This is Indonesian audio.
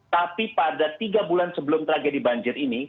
tapi pada tiga bulan sebelum tragedi banjir ini